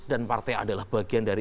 dan partai adalah bagian dari